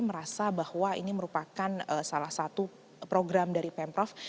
merasa bahwa ini merupakan salah satu program dari pemprov